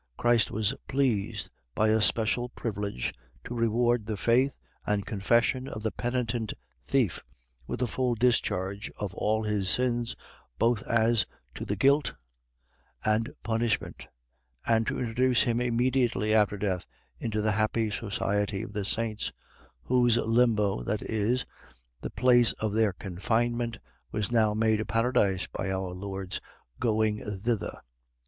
Christ was pleased, by a special privilege, to reward the faith and confession of the penitent thief, with a full discharge of all his sins, both as to the guilt and punishment; and to introduce him immediately after death into the happy society of the saints, whose limbo, that is, the place of their confinement, was now made a paradise by our Lord's going thither.